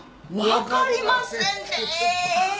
分かりませんてえ？